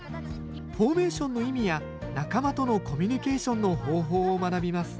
フォーメーションの意味や仲間とのコミュニケーションの方法を学びます